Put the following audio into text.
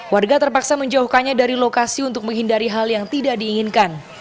warga terpaksa menjauhkannya dari lokasi untuk menghindari hal yang tidak diinginkan